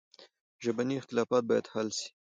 ژبني اختلافات باید حل سي.